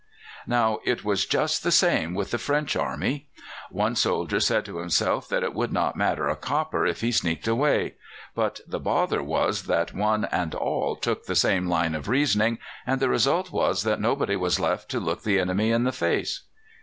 Now, it was just the same with the French army. One soldier said to himself that it would not matter a copper if he sneaked away; but the bother was that one and all took the same line of reasoning, and the result was that nobody was left to look the enemy in the face.